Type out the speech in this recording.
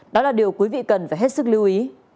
đó là điều quý vị cần phải hết sức lưu ý